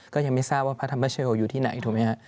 ก็ยังไม่ทราบว่าพระธรรมชโยอยู่ที่ไหนถูกไหมฮะ